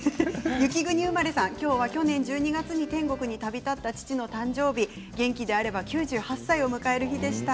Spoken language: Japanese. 今日は去年１２月に天国に旅だった父の誕生日、元気であれば９８歳を迎える日でした。